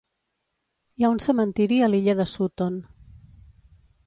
Hi ha un cementiri a l'illa de Sutton.